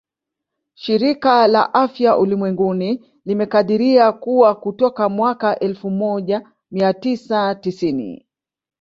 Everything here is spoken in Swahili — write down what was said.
Shirika la Afya Ulimwenguni limekadiria kuwa kutoka mwaka elfu moja mia tisa tisini